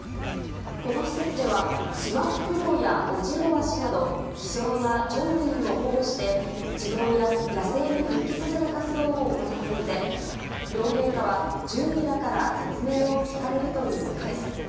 この施設では、シマフクロウやオジロワシなど、希少な鳥類を保護して、治療や野生に復帰させる活動を行っていて、両陛下は獣医らから説明を聞かれるということです。